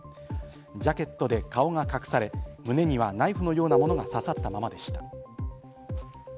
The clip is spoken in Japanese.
ジャケットで顔が隠され、胸にはナイフのようなものが刺さったままでした。